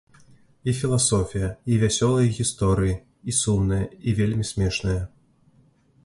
І філасофія, і вясёлыя гісторыі, і сумныя, і вельмі смешныя.